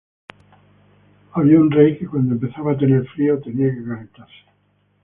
Había un rey que cuando empezaba a tener frío, tenía que calentarse.